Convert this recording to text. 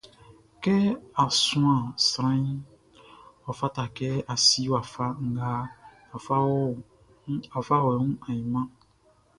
Kɛ á súan sranʼn, ɔ fata kɛ a si wafa nga á fá ɔ wun mánʼn.